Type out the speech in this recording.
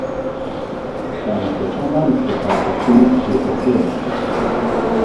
خانەخوێکەمان کوێخا ڕەسوو شێتۆکەیەک بوو